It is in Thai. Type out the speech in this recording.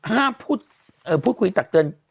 ห้ามพูดคุยตักเตือน